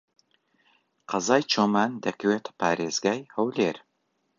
قەزای چۆمان دەکەوێتە پارێزگای هەولێر.